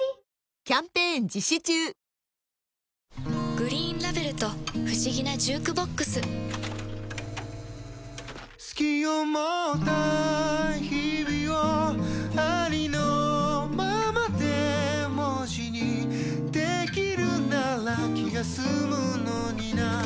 「グリーンラベル」と不思議なジュークボックス“好き”を持った日々をありのままで文字にできるなら気が済むのにな